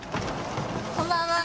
こんばんは。